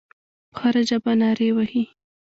په هره ژبه نارې وهي.